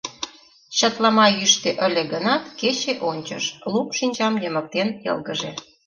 Чатлама йӱштӧ ыле гынат, кече ончыш, лум шинчам йымыктен йылгыже.